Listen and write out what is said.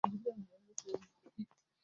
katika kipindi cha miaka sitini iliyopita